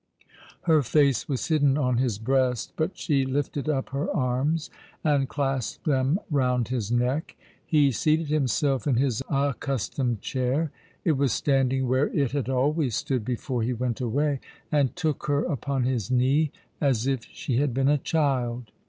Her face was hidden on his breast, but she lifted up her arms and clasped them round his neck. He seated himself in his accustomed chair — it was standing where it had always stood before he went away — and took her upon his knee, as if she had been a child.